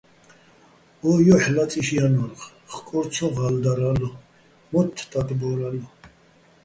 ო ჲოჰ̦ ლაწი́შ ჲანო́რ, ხკორ ცო ღა́ლდარალო̆, მოთთ ტატბო́რალო̆.